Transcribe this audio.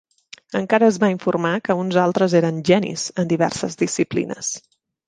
Encara es va informar que uns altres eren "genis" en diverses disciplines.